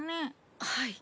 はい。